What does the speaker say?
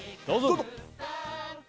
どうぞ！